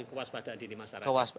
kewaspadaan dini masyarakat